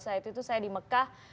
saat itu saya di mekah